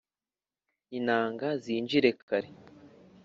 inanga zinjire kare